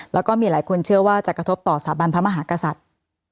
แล้วก็มีหลายคนเชื่อว่าจะกระทบต่อสถาบันพระมหากษัตริย์